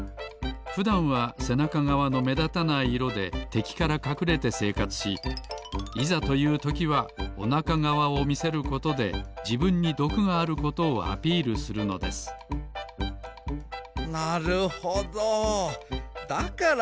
ふだんはせなかがわのめだたない色でてきからかくれてせいかつしいざというときはおなかがわをみせることでじぶんにどくがあることをアピールするのですなるほどだからおなかとせなか